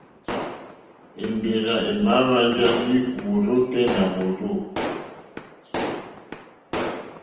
Èmbèrzà èmà hwánjá ndí mòrzô tɛ́ nà mòrzô.